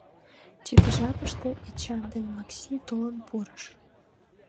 Тиде жапыште Эчан дек Макси толын пурыш.